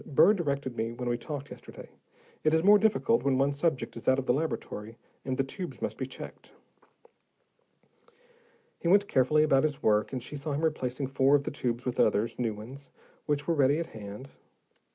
"Burr directed me when we talked yesterday. It is more difficult when one subject is out of the laboratory, and the tubes must be checked." He went carefully about his work, and she saw him replacing four of the tubes with others, new ones, which were ready at hand.